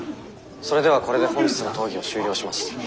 「それではこれで本日の討議を終了します」。